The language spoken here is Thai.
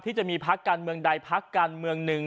จะมีพักการเมืองใดพักการเมืองหนึ่ง